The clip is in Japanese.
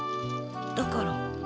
だから。